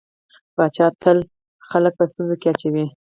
پاچا تل خلک په ستونزو کې اچوي.